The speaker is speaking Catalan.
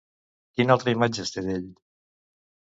Quina altra imatge es té d'ell?